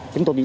chúng tôi đi